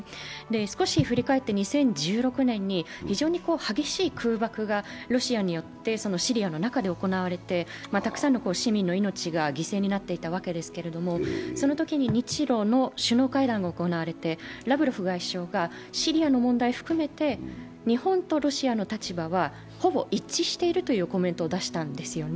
少し振り返って２０１６年に、非常に激しい空爆がロシアによってシリアの中で行われて、たくさんの市民の命が犠牲になったわけですけれどもそのときに日ロの首脳会談が行われてラブロフ外相がシリアの問題含めて日本とロシアの立場は、ほぼ一致しているというコメントを出したんですよね。